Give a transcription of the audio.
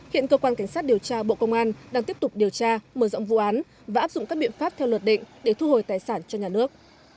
hiện cơ quan cảnh sát điều tra bộ công an đang tiếp tục điều tra mở rộng vụ án và áp dụng các biện pháp theo luật định để thu hồi tài sản cho nhà nước